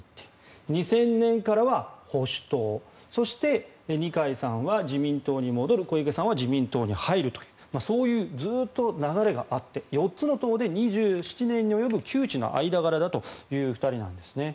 ２０００年からは保守党そして二階さんは自民党に戻る小池さんは自民党に入るというそういう、ずっと流れがあって４つの党で２７年に及ぶ旧知の間柄だという２人なんですね。